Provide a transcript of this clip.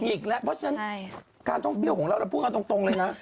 อีกแล้วเพราะฉะนั้นการท่องเที่ยวของเราเราพูดกันตรงเลยนะ